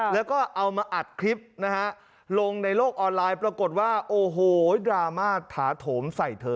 แล้วก็เอามาอัดคลิปนะฮะลงในโลกออนไลน์ปรากฏว่าโอ้โหดราม่าถาโถมใส่เธอ